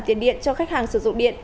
tiền điện cho khách hàng sử dụng điện